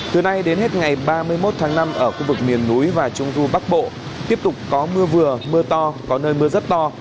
từ nay đến hết ngày ba mươi một tháng năm ở khu vực miền núi và trung du bắc bộ tiếp tục có mưa vừa mưa to có nơi mưa rất to